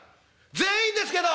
「全員ですけど！